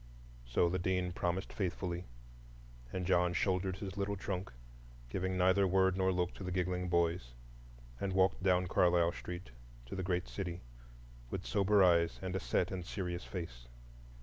So the Dean promised faithfully, and John shouldered his little trunk, giving neither word nor look to the giggling boys, and walked down Carlisle Street to the great city, with sober eyes and a set and serious face.